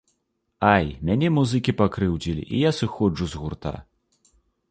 Ай, мяне музыкі пакрыўдзілі і я сыходжу з гурта.